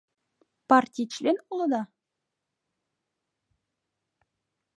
— Партий член улыда?